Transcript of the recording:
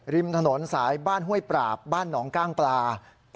ริมถนนสายบ้านห้วยปราบบ้านหนองกล้างปลา